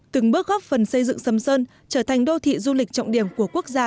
từng bước góp phần xây dựng sầm sơn trở thành đô thị du lịch trọng điểm của quốc gia